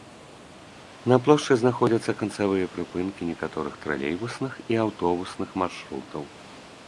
На плошчы знаходзяцца канцавыя прыпынкі некаторых тралейбусных і аўтобусных маршрутаў.